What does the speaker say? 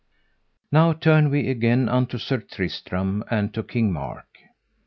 Now turn we again unto Sir Tristram and to King Mark.